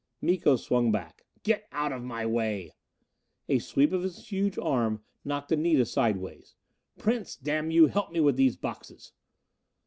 Miko swung back. "Get out of my way!" A sweep of his huge arm knocked Anita sidewise. "Prince, damn you, help me with those boxes!"